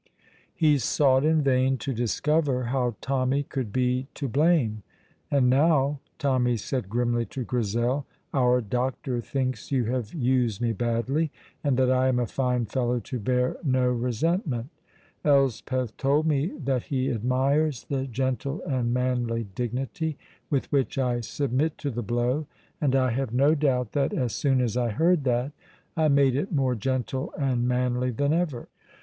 He sought in vain to discover how Tommy could be to blame. "And now," Tommy said grimly to Grizel, "our doctor thinks you have used me badly, and that I am a fine fellow to bear no resentment! Elspeth told me that he admires the gentle and manly dignity with which I submit to the blow, and I have no doubt that, as soon as I heard that, I made it more gentle and manly than ever!